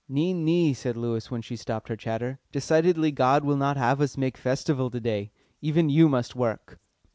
"Nee, nee," said Lewis, when she stopped her chatter. "Decidedly God will not have us make Festival to day. Even you must work."